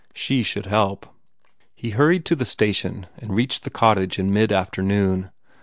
She should help. He hurried to the station and reached the cottage in mid afternoon.